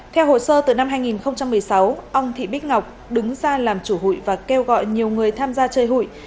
theo hồ sơ từ năm hai nghìn một mươi sáu ông thị bích ngọc đứng ra làm chủ hụi và kêu gọi nhiều người tham gia chơi hụi